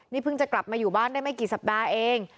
นี่เพิ่งจะกลับมาอยู่บ้านได้ไม่กี่สัปดาห์เอง